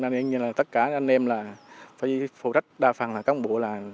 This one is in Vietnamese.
nên là tất cả anh em là phải phụ trách đa phần là các bộ là